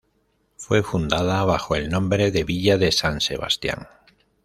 Fue fundada bajo el nombre de Villa de San Sebastián.